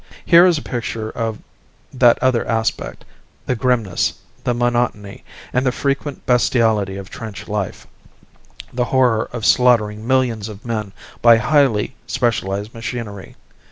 Here is a picture of that other aspect the grimness, the monotony, and the frequent bestiality of trench life, the horror of slaughtering millions of men by highly specialized machinery.